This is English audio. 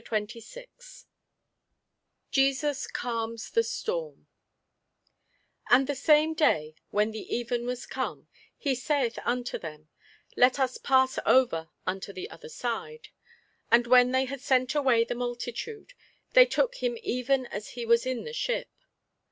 CHAPTER 26 JESUS CALMS THE STORM [Sidenote: St. Mark 4] AND the same day, when the even was come, he saith unto them, Let us pass over unto the other side. And when they had sent away the multitude, they took him even as he was in the ship.